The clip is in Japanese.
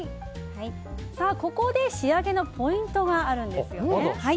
ここで仕上げのポイントがあるんですよね。